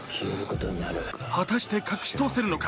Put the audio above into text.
果たして隠し通せるのか。